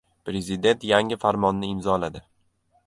Prezident yangi Farmonni imzoladi